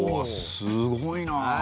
すごいなあ。